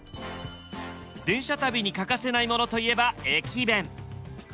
電車旅に欠かせないものといえば駅弁。